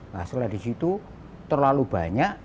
nah setelah di situ terlalu banyak